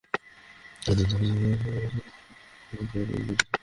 আদালত খাজনা প্রদানের আদেশ দেন এবং সেই জমিতে স্থিতাবস্থা জারি করেন।